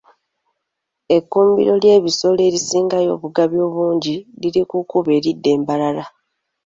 Ekkuumiro ly'ebisolo erisingamu obugabi obungi liri ku kkubo eridda e Mbarara.